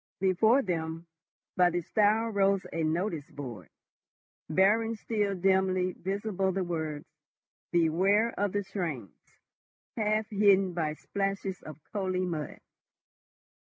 Before them, by the stile rose a notice board, bearing still dimly visible, the words, "BEWARE OF THE TRAINS," half hidden by splashes of coaly mud.